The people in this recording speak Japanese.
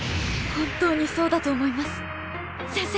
本当にそうだと思います先生！